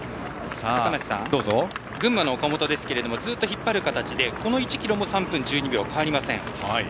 群馬の岡本ですがずっと引っ張る形でこの１ｋｍも３分１２秒で変わりません。